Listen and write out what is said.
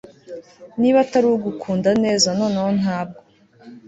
niba atari ugukunda neza, noneho ntabwo